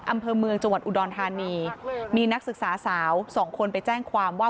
อำเภอเมืองจังหวัดอุดรธานีมีนักศึกษาสาวสองคนไปแจ้งความว่า